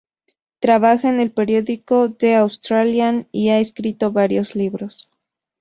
Trabaja en el periódico "The Australian" y ha escrito varios libros.